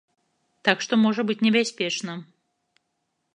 Так што можа быць небяспечна.